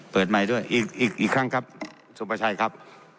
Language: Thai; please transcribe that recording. เปิดไมค์ด้วยอีกครั้งครับสุปชัยครับ